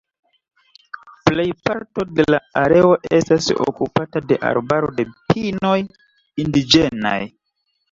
Plejparto de la areo estas okupata de arbaro de pinoj indiĝenaj.